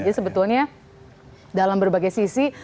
sebetulnya dalam berbagai sisi